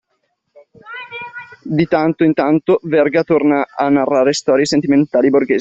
Di tanto in tanto Verga torna a narrare storie sentimentali borghesi.